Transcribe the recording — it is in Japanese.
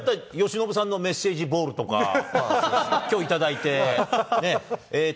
もしあれだったら由伸さんのメッセージボールとかきょう頂いて。